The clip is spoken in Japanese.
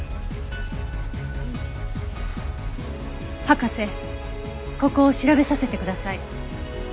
博士ここを調べさせてください。